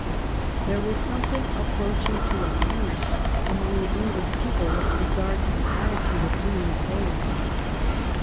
There was some thing approaching to a panic among the EngHsh people with regard to the attitude of Louis Napo leon.